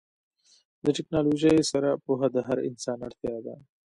د ټیکنالوژۍ سره پوهه د هر انسان اړتیا ده.